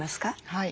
はい。